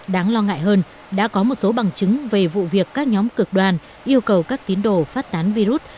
đáng lo ngại hơn đã có một số bằng chứng về vụ việc các nhóm cực đoan yêu cầu các tín đồ phát tán virus